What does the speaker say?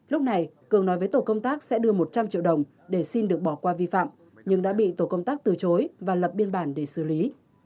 lúc này cường nói với tổ công tác sẽ đưa một trăm linh triệu đồng để xin được bỏ qua vi phạm nhưng đã bị tổ công tác từ chối và lập biên bản để xử lý